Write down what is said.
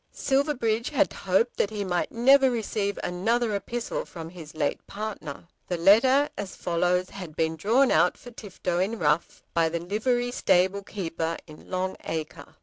Silverbridge had hoped that he might never receive another epistle from his late partner. The letter, as follows, had been drawn out for Tifto in rough by the livery stable keeper in Long Acre.